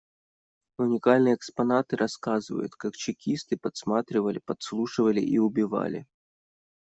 Уникальные экспонаты рассказывают, как чекисты подсматривали, подслушивали и убивали.